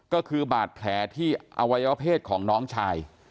ก็คือบาดแผลที่อวัยวะเพศของน้องชาย